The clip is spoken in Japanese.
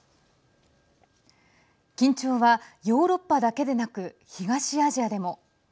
緊張はヨーロッパだけでなく東アジアでも。